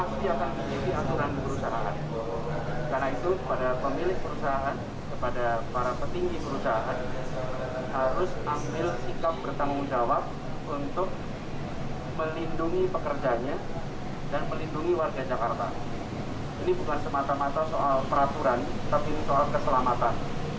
ini bukan semata mata soal peraturan tapi ini soal keselamatan